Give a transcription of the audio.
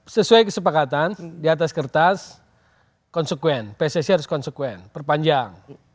sesuai kesepakatan di atas kertas konsekuen pssi harus konsekuen perpanjang